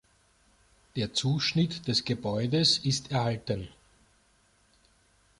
Der Zuschnitt des Gebäudes ist erhalten.